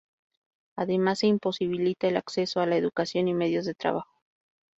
Además se imposibilita el acceso a la educación y medios de trabajo.